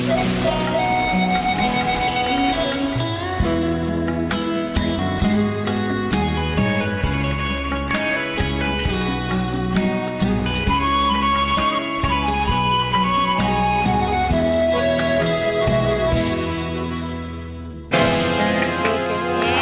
โอเค